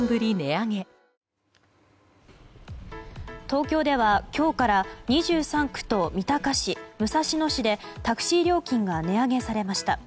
東京では今日から２３区と三鷹市、武蔵野市でタクシー料金が値上げされました。